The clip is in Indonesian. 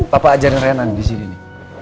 papa ajarin renan di sini nih